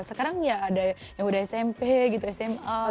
sekarang ya ada yang udah smp gitu sma